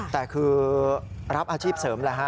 แต่คือรับอาชีพเสริมแล้วฮะ